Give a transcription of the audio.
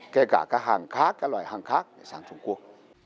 kể cả các hàng khác các loại hàng khác sang trung quốc